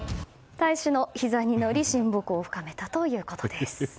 大使のひざに乗り親睦を深めたということです。